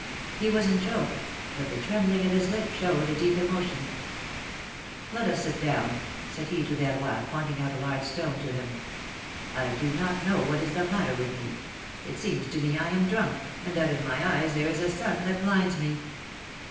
He was in joke, but the trembling of his lips showed a deep emotion. ^^Let us sit down," said he to Verroy, pointing out a large stone to him. I do not know what is the matter 166 P^ILOM^:NE^S MAERTAGES. with me ; it seems to me I am drunk, and that in my eyes there is a sun that blinds me.